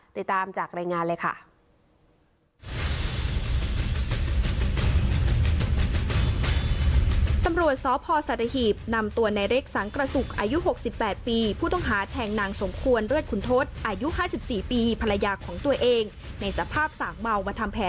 ติดตามจากรายงานเลยค่ะ